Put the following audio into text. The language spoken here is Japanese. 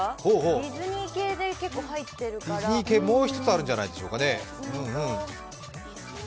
ディズニー系で結構入ってるからディズニー系、もう一つあるんじゃないですかね。